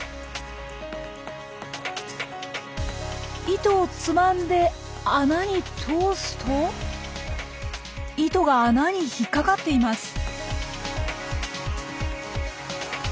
糸をつまんで穴に通すと糸が穴に引っ掛かっています。